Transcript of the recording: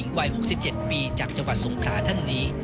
โดยเฉพาะนักกีฬาหญิงวัย๖๗ปีจากจังหวัดสงคราท่านนี้